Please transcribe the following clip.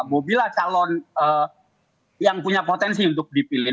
bobilah calon yang punya potensi untuk dipilih